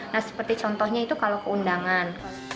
nah seperti contohnya itu kalau keundangan